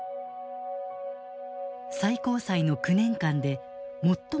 最高裁の９年間で最も長い期間